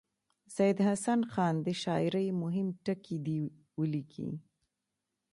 سید حسن خان د شاعرۍ مهم ټکي دې ولیکي.